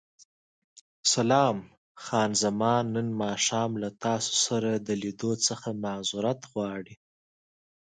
سلام، خان زمان نن ماښام له تاسو سره د لیدو څخه معذورت غواړي.